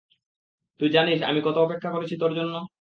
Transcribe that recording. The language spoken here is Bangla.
তুই জানিস, আমি কত অপেক্ষা করেছি তোর জন্যে।